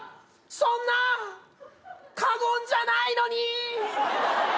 そんなー過言じゃないのにー！